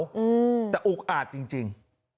อืมแต่อุ๊กอาดจริง